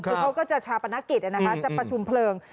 คือเขาก็จะชาปนกิจนะคะจะประชุมเพลิง